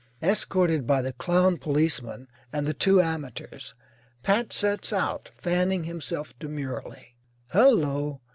Escorted by the clown policeman and the two amateurs, Pat sets out, fanning himself demurely. Hullo!